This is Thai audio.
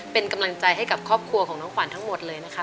เป็นกำลังใจให้กับครอบครัวของน้องขวัญทั้งหมดเลยนะคะ